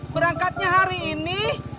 berangkatnya hari ini